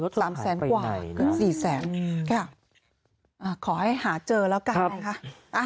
๓๐๐๐๐๐กว่า๔๐๐๐๐๐ครับขอให้หาเจอแล้วกันครับครับ